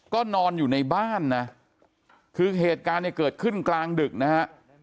ก็นอนอยู่ในบ้านนะคือเหตุการณ์เนี่ยเกิดขึ้นกลางดึกนะฮะ